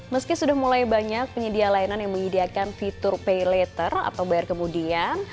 meski sudah mulai banyak penyedia layanan yang menyediakan fitur pay later atau bayar kemudian